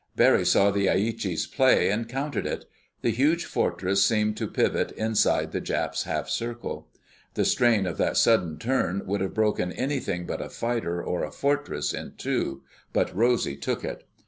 Barry saw the Aichi's play, and countered it. The huge Fortress seemed to pivot inside the Jap's half circle. The strain of that sudden turn would have broken anything but a fighter or a Fortress in two, but Rosy took it.